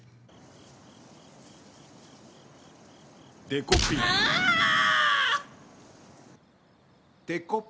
デコピン。